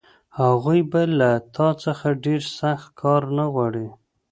هغوی به له تا څخه ډېر سخت کار نه غواړي